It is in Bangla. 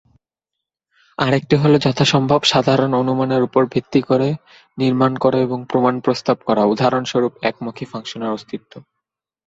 আরেকটি হল যথাসম্ভব সাধারণ অনুমানের উপর ভিত্তি করে নির্মাণ করা এবং প্রমাণ প্রস্তাব করা, উদাহরণস্বরূপঃ একমুখী ফাংশনের অস্তিত্ব।